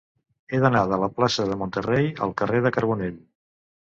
He d'anar de la plaça de Monterrey al carrer de Carbonell.